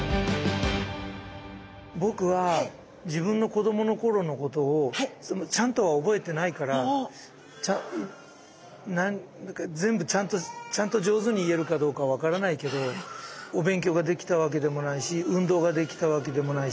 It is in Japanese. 僕は自分の子どもの頃のことをちゃんとは覚えてないからちゃん全部ちゃんとちゃんと上手に言えるかどうかは分からないけどお勉強ができたわけでもないし運動ができたわけでもないし。